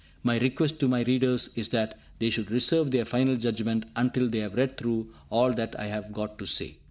My request to my readers is that they should reserve their final judgments until they have read through all that I have got to say.